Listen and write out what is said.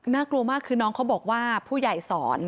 กลัวมากคือน้องเขาบอกว่าผู้ใหญ่สอน